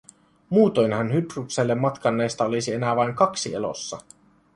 Muutoinhan Hydrukselle matkanneista olisi enää vain kaksi elossa.